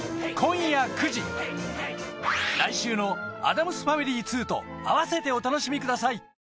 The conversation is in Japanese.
来週の『アダムス・ファミリー２』と併せてお楽しみください